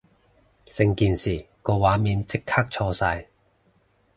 成件事個畫面即刻錯晒